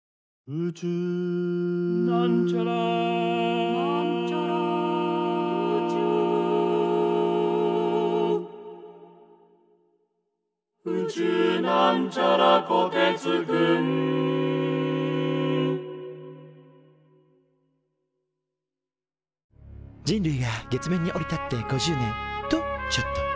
「宇宙」人類が月面に降り立って５０年。とちょっと。